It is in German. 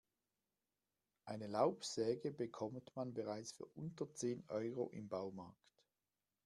Eine Laubsäge bekommt man bereits für unter zehn Euro im Baumarkt.